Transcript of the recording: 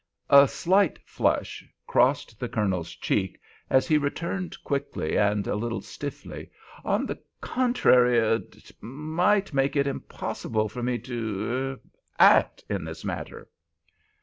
A slight flush crossed the Colonel's cheek as he returned quickly and a little stiffly, "On the contrary—er—it may make it impossible for me to—er—act in this matter."